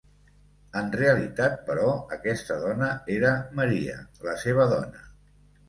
En realitat, però, aquesta dona era Maria, la seva dona.